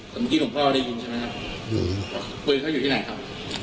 แต่เมื่อกี้หลวงพ่อได้ยินใช่ไหมครับปืนเขาอยู่ที่ไหนครับ